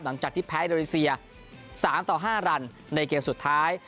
หลังจากที่แพ้อินโดนีเซีย๓ต่อ๕รันในเกมสุดท้าย